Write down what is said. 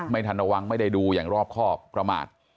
ไม่ทันระวังไม่ได้ดูอย่างรอบครอบประมาท